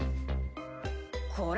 これ。